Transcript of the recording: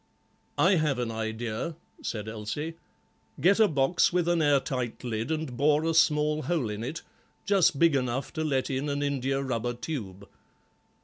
"I have an idea," said Elsie; "get a box with an air tight lid, and bore a small hole in it, just big enough to let in an indiarubber tube.